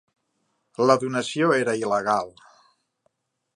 La donació era il·legal.